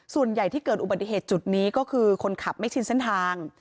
ส่วนใหญ่ที่เกิดอุบัติเหตุจุดนี้ก็คือคนขับไม่ชินเส้นทาง